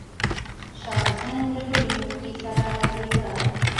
شاه حسين له لوی مفتي سره غږېده.